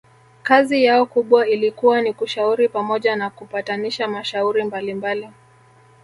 kazi yao kubwa ilikuwa ni kushauri pamoja na kupatanisha mashauri mbalimbali